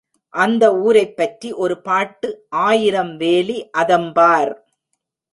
அந்த ஊரைப் பற்றி ஒரு பாட்டு ஆயிரம் வேலி அதம்பார்.